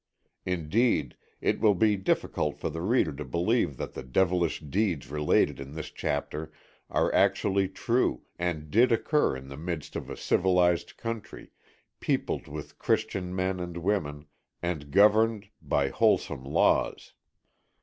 Indeed, it will be difficult for the reader to believe that the devilish deeds related in this chapter are actually true and did occur in the midst of a civilized country, peopled with Christian men and women, and governed (?) by wholesome laws.